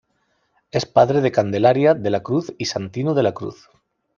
Es padre de Candelaria de la Cruz y Santino de la Cruz.